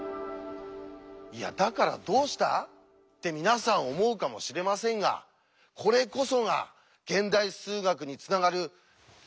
「いやだからどうした？」って皆さん思うかもしれませんがこれこそが現代数学につながる大進歩だったんですよ！